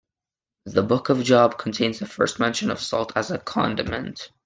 The Book of Job contains the first mention of salt as a condiment.